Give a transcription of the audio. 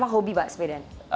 emang hobi pak sepeda